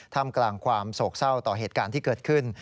กลางกลางความโศกเศร้าต่อเหตุการณ์ที่เกิดขึ้น